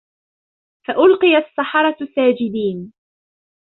فَأُلْقِيَ السَّحَرَةُ سَاجِدِينَ